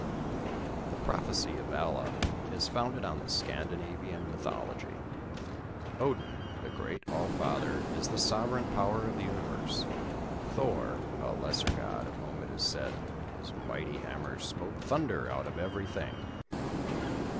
] The Prophecy of Vala is founded on the Scandinavian mythology. Odin, the great All Father, is the sovereign power of the universe; Thor, a lesser god, of whom it is said, "his mighty hammer smote thunder out of every thing."